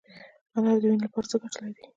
انار د وینې لپاره څه ګټه لري؟